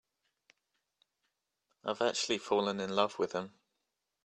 I've actually fallen in love with him.